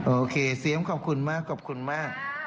โอเคเสียมขอบคุณมากขอบคุณมาก